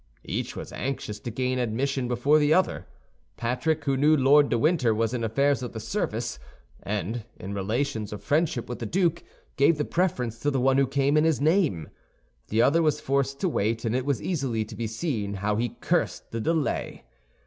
Each was anxious to gain admission before the other. Patrick, who knew Lord de Winter was in affairs of the service, and in relations of friendship with the duke, gave the preference to the one who came in his name. The other was forced to wait, and it was easily to be seen how he cursed the delay.